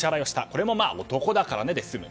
これも、男だからねで済む。